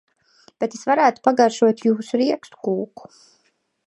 Bet es varētu pagaršotjūsu riekstu kūku.